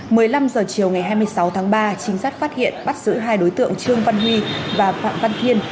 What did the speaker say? một mươi năm h chiều ngày hai mươi sáu tháng ba chính sát phát hiện bắt giữ hai đối tượng trương văn huy và phạm văn thiên